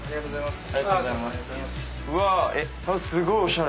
すごいおしゃれ！